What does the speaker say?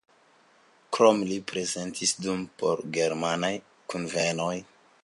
Krome li prezentis dum por-germanaj kunvenoj.